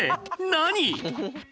何？